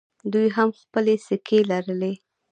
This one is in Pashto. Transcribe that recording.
دوی هم خپلې سکې لرلې